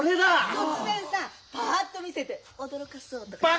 突然さパッと見せて驚かそうとか。